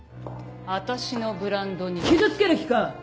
私のブランドに傷つける気か！